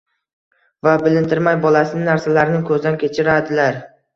va bilintirmay bolasining narsalarini ko‘zdan kechiradilar.